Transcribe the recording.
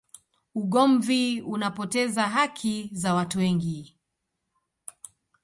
ugomvi unapoteza haki za watu wengi